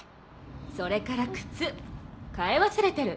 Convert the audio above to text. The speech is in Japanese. それから靴替え忘れてる。